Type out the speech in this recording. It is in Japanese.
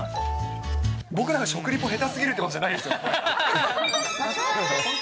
僕らが食リポ下手すぎるってことじゃないですよね。